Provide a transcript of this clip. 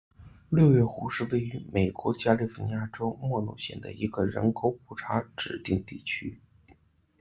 六月湖是位于美国加利福尼亚州莫诺县的一个人口普查指定地区。